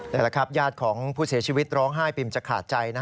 นี่แหละครับญาติของผู้เสียชีวิตร้องไห้ปิ่มจะขาดใจ